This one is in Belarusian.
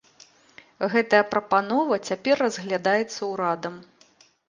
Гэтая прапанова цяпер разглядаецца ўрадам.